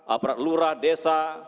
aparat lurah desa